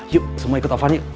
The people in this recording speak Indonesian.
yuk semua ikut irfan yuk